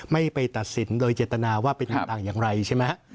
ไม่ไปตัดสินโดยเจตนาว่าเป็นต่างอย่างไรใช่ไหมฮะ